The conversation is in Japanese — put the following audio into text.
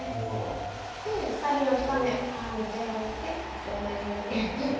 鎖を１目編んでおいて忘れないように。